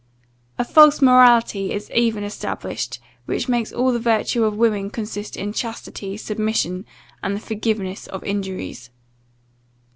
A false morality is even established, which makes all the virtue of women consist in chastity, submission, and the forgiveness of injuries.